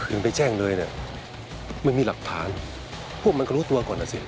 มึงไปแจ้งเลยเนี่ยไม่มีหลักฐานพวกมันก็รู้ตัวก่อนอ่ะสิ